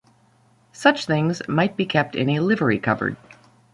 Such things might be kept in a "livery cupboard".